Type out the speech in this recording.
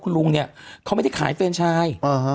คุณลุงเขาไม่ได้ขายเฟรนชัย